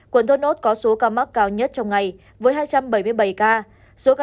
quận thôn út có số ca mắc cao nhất trong ngày với hai trăm bảy mươi bảy ca